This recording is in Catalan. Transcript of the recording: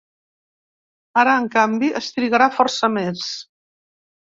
Ara, en canvi, es trigarà força més.